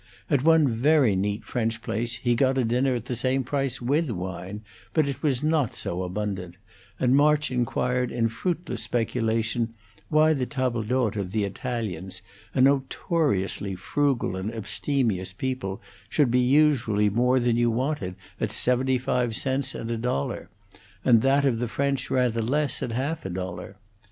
At one very neat French place he got a dinner at the same price with wine, but it was not so abundant; and March inquired in fruitless speculation why the table d'hote of the Italians, a notoriously frugal and abstemious people, should be usually more than you wanted at seventy five cents and a dollar, and that of the French rather less at half a dollar.